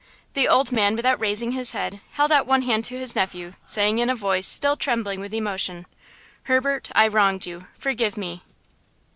The old man, without raising his head, held out one hand to his nephew, saying in a voice still trembling with emotion: "Herbert, I wronged you; forgive me."